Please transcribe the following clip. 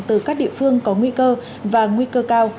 từ các địa phương có nguy cơ và nguy cơ cao